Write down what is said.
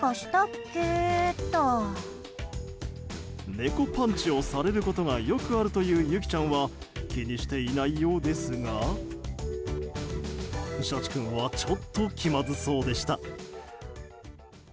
猫パンチをされることがよくあるという、ユキちゃんは気にしていないようですがしゃち君はちょっと気まずそうでした。